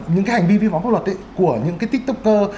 những cái hành vi vi phạm pháp luật của những cái tiktoker